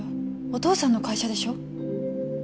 お父さんの会社でしょ